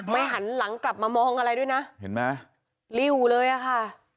หันหลังกลับมามองอะไรด้วยนะเห็นไหมริ้วเลยอ่ะค่ะ